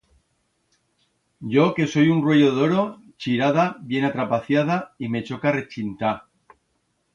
Yo, que soi un ruello d'oro, chirada, bien atrapaciada y me choca rechintar.